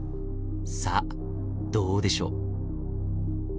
さあどうでしょう？